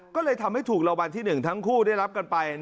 ก็เลยทำให้ถูกรางวัลที่๑ทั้งคู่ได้รับกันไป